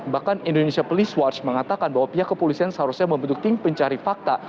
bahkan indonesia police watch mengatakan bahwa pihak kepolisian seharusnya membentuk tim pencari fakta